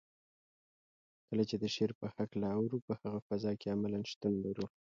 کله چې د شعر په هکله اورو په هغه فضا کې عملاً شتون لرو.